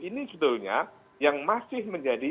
ini sebetulnya yang masih menjadi